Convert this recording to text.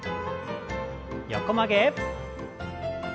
横曲げ。